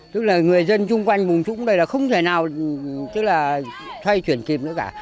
tức là người dân chung quanh vùng trúng đây là không thể nào tức là thay chuyển kịp nữa cả